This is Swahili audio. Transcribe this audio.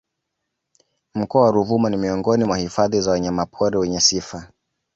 Mkoa wa Ruvuma ni Miongoni mwa hifadhi za Wanyama pori wenye sifa